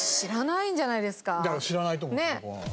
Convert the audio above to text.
だから知らないと思う。